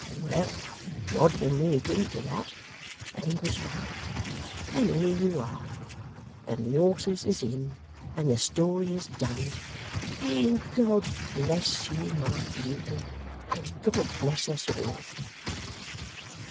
Well! Noddy and me agreed to that, and he was right, and here you are, and the horses is in, and the story is done, and God bless you my Beauty, and God bless us all!